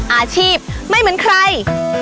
อาชีพไม่เหมือนใคร